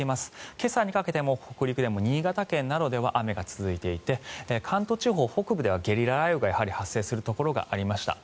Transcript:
今朝にかけても、北陸でも新潟県などでは雨が続いていて関東地方北部ではやはりゲリラ雷雨が発生するところがありました。